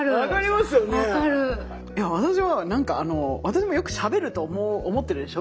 私も何かあの私もよくしゃべると思ってるでしょ？